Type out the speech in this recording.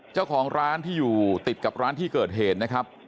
เจ้าของร้านที่อยู่ติดกับร้านที่เกิดเหตุนะครับ